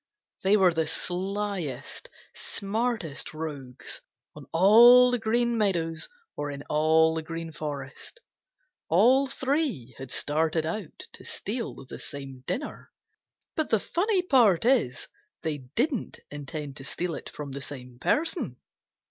They were the slyest, smartest rogues on all the Green Meadows or in all the Green Forest. All three had started out to steal the same dinner, but the funny part is they didn't intend to steal it from the same person.